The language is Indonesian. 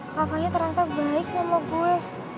makanya terang terang baik sama gue